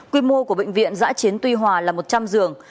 quy mô của bệnh viện giã chiến tuy hòa là một trăm linh giường